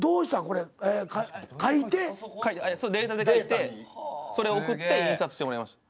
それデータで描いてそれを送って印刷してもらいました。